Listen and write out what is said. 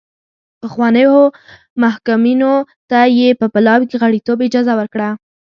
پخوانیو محکومینو ته یې په پلاوي کې غړیتوب اجازه ورکړه.